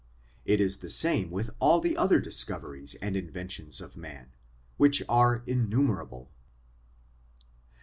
It is the same with all the other discoveries and inventions of man, which are innumerable.